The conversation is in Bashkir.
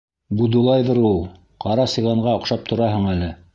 Будулайҙыр ул, ҡара сиғанға оҡшап тораһың әле.